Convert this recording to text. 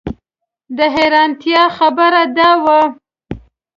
د حیرانتیا خبره دا وه.